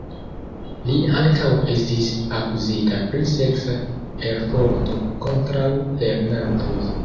Li ankaŭ estis akuzita pri seksa perforto kontraŭ lernantoj.